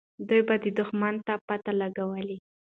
دوی به دښمن ته پته لګوله.